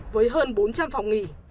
với hơn bốn trăm linh phòng nghỉ